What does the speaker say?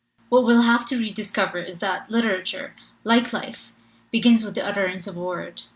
"What we'll have to rediscover is that litera ture, like life, begins with the utterance of a word.